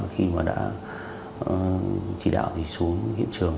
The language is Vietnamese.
khi mà đã chỉ đạo xuống hiện trường